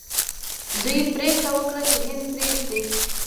دوی پریکړه وکړه چې هند پریږدي.